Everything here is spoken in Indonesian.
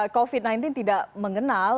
covid sembilan belas tidak mengenal